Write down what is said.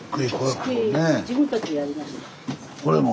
これも？